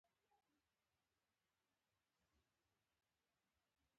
غریب له دنیا ناهیلی نه دی